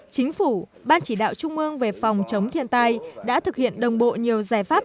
chính phủ ban chỉ đạo trung ương về phòng chống thiên tai đã thực hiện đồng bộ nhiều giải pháp